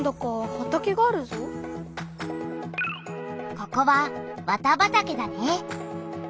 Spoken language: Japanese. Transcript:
ここは綿畑だね。